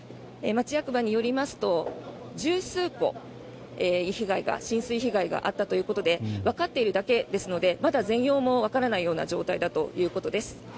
町役場によりますと、１０数戸浸水被害があったということでわかっているだけですのでまだ全容もわからないような状態だということです。